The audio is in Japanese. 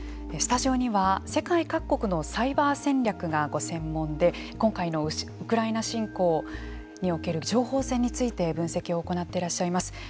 スタジオには世界各国のサイバー戦略がご専門で今回のウクライナ侵攻における情報戦について分析を行っていらっしゃいます